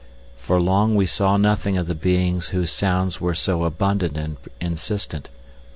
For long we saw nothing of the beings whose sounds were so abundant and insistent.